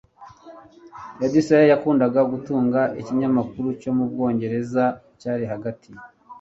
Eddie Shah Yakundaga Gutunga Ikinyamakuru cyo mu Bwongereza Cyari Hagati